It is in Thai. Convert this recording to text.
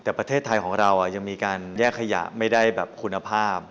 แต่ประเทศไทยของเรายังมีการแยกขยะไม่ได้แบบคุณภาพ